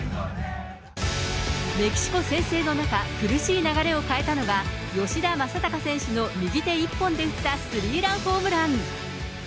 メキシコ先制の中、苦しい流れを変えたのが、吉田正尚選手の右手一本で打ったスリーランホームラン。